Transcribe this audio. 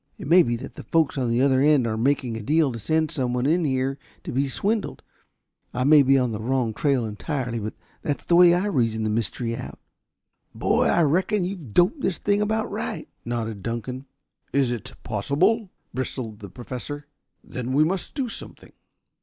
It may be that the folks at the other end are making a deal to send someone in here to be swindled. I may be on the wrong trail entirely, but that's the way I reason the mystery out." "Boy, I reckon you've doped this thing about right," nodded Dunkan. "Is it possible?" bristled the Professor. "Then we must do something."